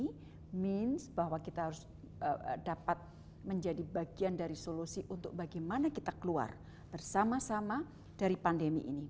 ini means bahwa kita harus dapat menjadi bagian dari solusi untuk bagaimana kita keluar bersama sama dari pandemi ini